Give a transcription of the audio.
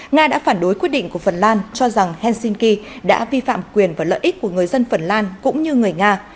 nga đã phản đối quyết định của phần lan cho rằng helsinki đã vi phạm quyền và lợi ích của người dân phần lan cũng như người nga